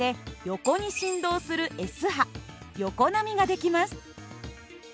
横波が出来ます。